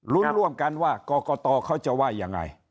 รุ้นร่วมกันว่ากรกตเขาจะว่ายังไง